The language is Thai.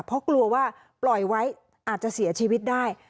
เพราะกลัวว่าปล่อยไว้อาจจะเสียชีวิตได้